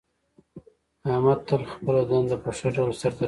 احمد تل خپله دنده په ښه ډول سرته رسوي.